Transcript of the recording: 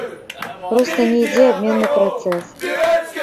Проста не ідзе абменны працэс.